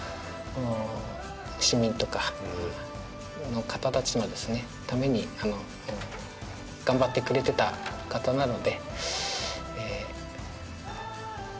市民とかの方たちのために頑張ってくれてた方なので。